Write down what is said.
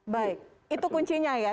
baik itu kuncinya ya